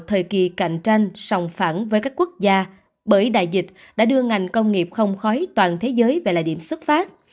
đời kỳ cạnh tranh sòng phản với các quốc gia bởi đại dịch đã đưa ngành công nghiệp không khói toàn thế giới về là điểm xuất phát